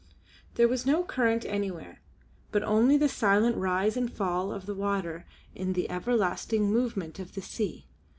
There was no current anywhere, but only the silent rise and fall of the water in the everlasting movement of the sea.